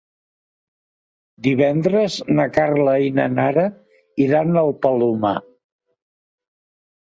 Divendres na Carla i na Nara iran al Palomar.